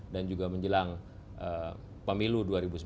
dan juga menjelang pemilu dua ribu sembilan belas